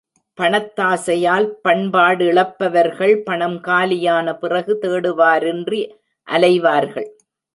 பணத்தாசையால் பண்பாடிழப்பவர்கள் பணம் காலியானபிறகு தேடுவாரின்றி அலைவார்கள்.